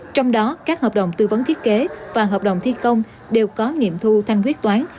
trong đó các hợp đồng tư vấn thiết kế và hợp đồng thi công đều có nghiệm thu thanh quyết toán